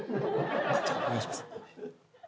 じゃあお願いします